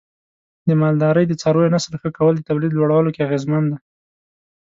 د مالدارۍ د څارویو نسل ښه کول د تولید لوړولو کې اغیزمن دی.